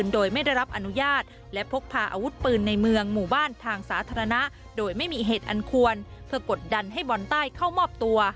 โดยไม่ได้รับอนุญาตและพกพาอาวุธปืนในเมืองหมู่บ้านทางสาธารณะโดยไม่มีเหตุอันควรเพื่อกดดันให้บอลใต้เข้ามอบตัว